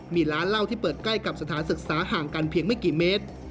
มีร้านเหล้าที่เปิดใกล้กับสถานศึกษาห่างกันเพียงไม่กี่เมตร